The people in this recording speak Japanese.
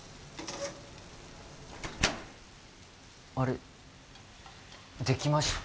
あれできました？